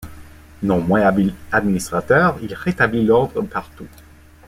Non moins habile administrateur, il rétablit l'ordre partout.